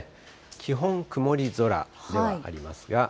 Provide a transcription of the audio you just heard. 基本、曇り空ではありますが。